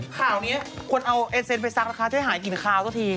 ข่าวนี้คนเอาเอเซนไปซักนะคะช่วยหายกลิ่นคาวสักที